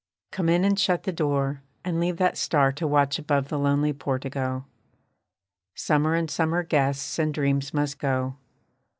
Come in, and shut the door, and leave that star To watch above the lonely portico. Summer and summer guests and dreams must go.